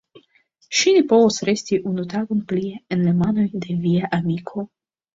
Ŝi ne povas resti unu tagon plie en la manoj de via amiko.